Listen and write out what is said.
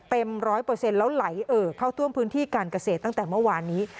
เต็มร้อยเปอร์เซ็นต์แล้วไหลเอ่อเข้าท่วมพื้นที่การเกษตรตั้งแต่เมื่อวานนี้